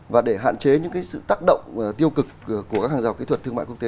và để hạn chế những sự tác động tiêu cực của các hàng rào kỹ thuật thương mại quốc tế